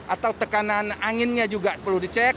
atau tekanan anginnya juga perlu dicek